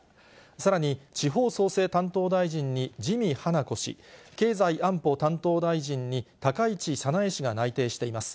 さらに地方創生担当大臣に自見はなこ氏、経済安保担当大臣に高市早苗氏が内定しています。